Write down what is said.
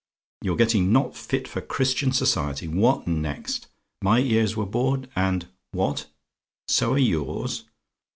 You're getting not fit for Christian society. What next? My ears were bored and What? "SO ARE YOURS?